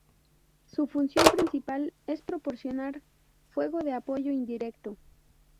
Su función principal es proporcionar fuego de apoyo indirecto.